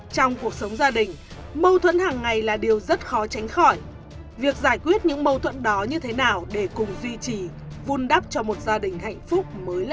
trong cuộc sống gia đình mâu thuẫn hàng ngày là điều rất khó tránh khỏi việc giải quyết những mâu thuẫn đó như thế nào để cùng duy trì vun đắp cho một gia đình hạnh phúc